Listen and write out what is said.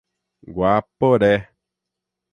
Guaporé